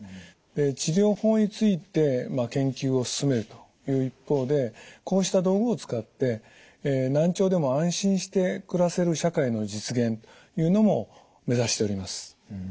治療法について研究を進めるという一方でこうした道具を使って難聴でも安心して暮らせる社会の実現というのも目指しております。